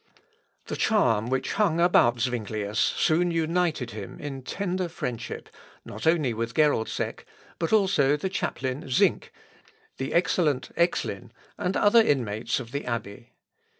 The charm which hung about Zuinglius soon united him in tender friendship, not only with Geroldsek, but also the chaplain Zink, the excellent Œxlin, and other inmates of the abbey.